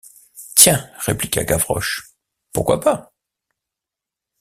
Tiens! répliqua Gavroche, pourquoi pas?